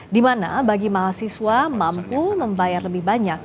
di mana bagi mahasiswa mampu membayar lebih banyak